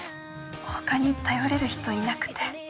他に頼れる人いなくて。